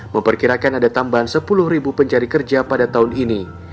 memperkirakan ada tambahan sepuluh pencari kerja pada tahun ini